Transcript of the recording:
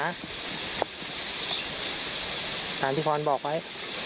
อายานพี่พรบอกไว้